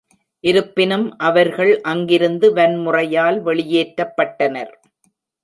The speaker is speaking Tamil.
இருப்பினும், அவர்கள் அங்கிருந்து வன்முறையால் வெளியேற்றப்பட்டனர்.